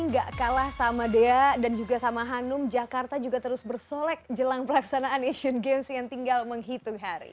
gak kalah sama dea dan juga sama hanum jakarta juga terus bersolek jelang pelaksanaan asian games yang tinggal menghitung hari